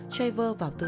traver vào thịt